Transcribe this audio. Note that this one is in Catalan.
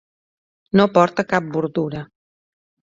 No porta cap bordura.